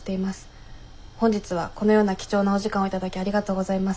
本日はこのような貴重なお時間を頂きありがとうございます。